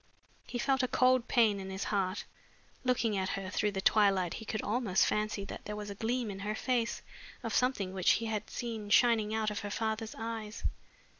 He felt a cold pain in his heart. Looking at her through the twilight he could almost fancy that there was a gleam in her face of something which he had seen shining out of her father's eyes.